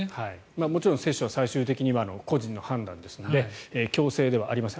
もちろん接種は最終的には個人の判断ですので強制ではありません。